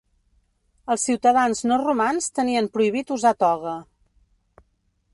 Els ciutadans no romans tenien prohibit usar toga.